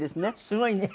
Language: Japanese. すごいね。